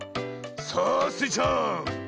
さあスイちゃん。